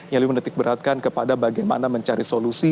yang lebih menetikberatkan kepada bagaimana mencari solusi